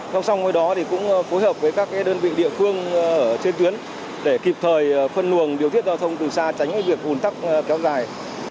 trong xong với đó cũng phối hợp với các đơn vị địa phương trên tuyến để kịp thời phân luồng điều thiết giao thông từ xa tránh việc ủn tắc kéo dài